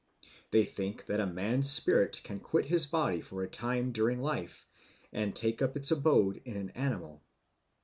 They think that a man's spirit can quit his body for a time during life and take up its abode in an animal.